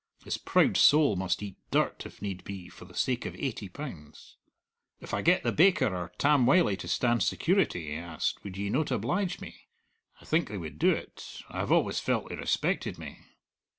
His proud soul must eat dirt, if need be, for the sake of eighty pounds. "If I get the baker or Tam Wylie to stand security," he asked, "would ye not oblige me? I think they would do it. I have always felt they respected me."